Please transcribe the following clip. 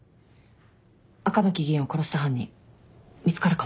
赤巻議員を殺した犯人見つかるかも。